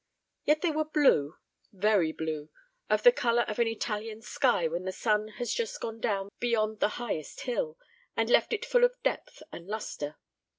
Yet they were blue very blue; of the colour of an Italian sky when the sun has just gone down beyond the highest hill, and left it full of depth and lustre.